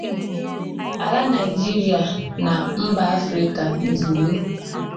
ala Nigeria na mbà Afrịka n'izugbe